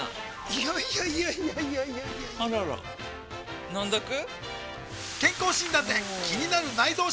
いやいやいやいやあらら飲んどく？